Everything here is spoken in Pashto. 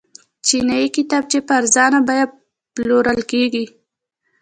چیني کتابچې په ارزانه بیه پلورل کیږي.